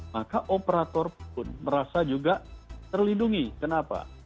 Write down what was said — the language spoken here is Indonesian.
maka operator pun merasa juga terlindungi kenapa